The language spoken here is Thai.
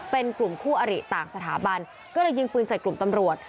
เป็นกลุ่มคู่อริต่างสถาบันก็เลยยิงปืนใส่กลุ่มตำรวจ